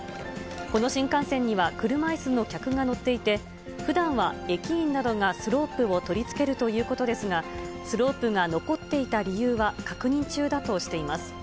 この新幹線には車いすの客が乗っていて、ふだんは駅員などがスロープを取り付けるということですが、スロープが残っていた理由は確認中だとしています。